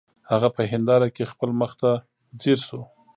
هغه په هنداره کې خپل مخ ته ځیر شو